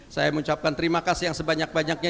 saya mengucapkan terima kasih yang sebanyak banyaknya